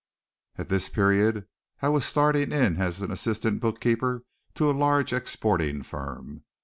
At this period I was starting in as an assistant bookkeeper to a large exporting firm.